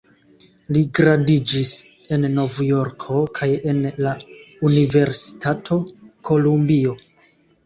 Li gradiĝis en Novjorko kaj en la Universitato Kolumbio.